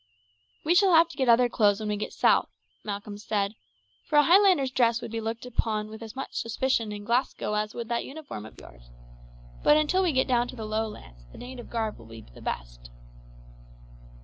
"We shall have to get other clothes when we get south," Malcolm said; "for a Highlander's dress would be looked upon with as much suspicion in Glasgow as would that uniform of yours. But until we get down to the Lowlands the native garb will be the best."